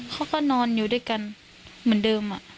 เขาก็นอนอยู่ด้วยกันเหมือนเดิม